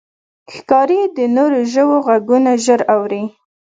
ښکاري د نورو ژوو غږونه ژر اوري.